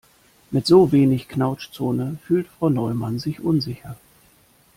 Mit so wenig Knautschzone fühlt Frau Neumann sich unsicher.